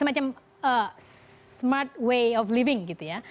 semacam smart way of living gitu ya